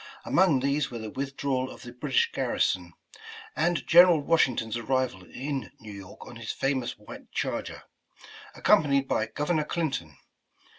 Among these were the withdrawal of the British garri son, and General Washington's arrival in New York on his famous white charger, accompanied by Governor Clinton.